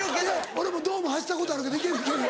俺もドーム走ったことあるけどいけるいける。